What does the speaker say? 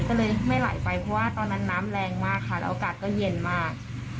ก็เลยไม่ไหลไปเพราะว่าตอนนั้นน้ำแรงมากค่ะแล้วอากาศก็เย็นมาก